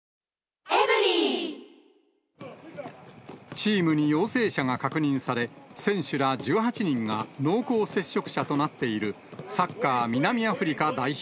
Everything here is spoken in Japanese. チームに陽性者が確認され、選手ら１８人が濃厚接触者となっているサッカー南アフリカ代表。